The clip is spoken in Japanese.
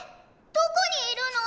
どこにいるの？